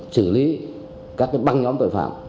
chử lý các băng nhóm tội phạm